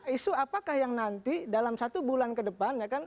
isu apakah yang nanti dalam satu bulan ke depan